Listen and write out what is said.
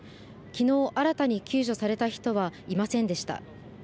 きのう新たに救助された人はいませんでした。